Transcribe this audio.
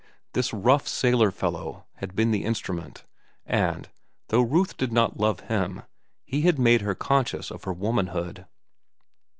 This rough sailor fellow had been the instrument, and, though Ruth did not love him, he had made her conscious of her womanhood.